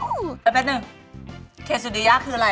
แป๊บนึงเคซิเดย่าคืออะไร